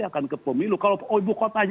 akan ke pemilu kalau ibu kotanya